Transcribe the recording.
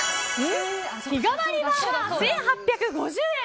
日替わりバーガー、１８５０円！